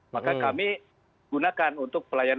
maka kami gunakan untuk pelayanan